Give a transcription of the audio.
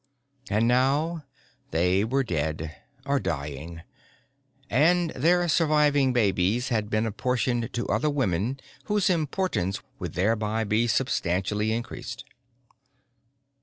And now they were dead or dying, and their surviving babies had been apportioned to other women whose importance would thereby be substantially increased.